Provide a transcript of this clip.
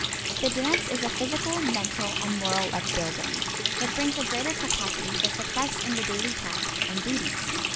The dance is a physical, mental and moral upbuilding. It brings a greater capacity for success in the daily tasks and duties.